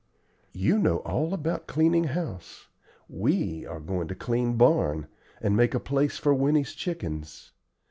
"You know all about cleaning house; we are going to clean barn, and make a place for Winnie's chickens.